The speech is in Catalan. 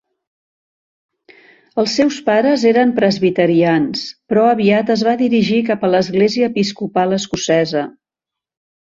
Els seus pares eren presbiterians, però aviat es va dirigir cap a l'església episcopal escocesa.